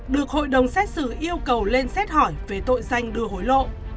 được hội đồng xét xử yêu cầu lên xét hỏi về tội danh đưa hối lộ